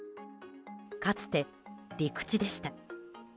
かつて陸地でした。